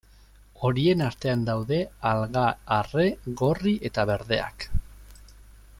Horien artean daude alga arre, gorri eta berdeak.